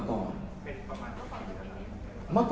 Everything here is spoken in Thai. คนน่ะ